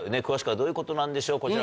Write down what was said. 詳しくはどういうことなんでしょう？